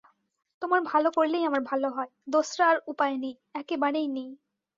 তোমার ভাল করলেই আমার ভাল হয়, দোসরা আর উপায় নেই, একেবারেই নেই।